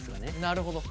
なるほど。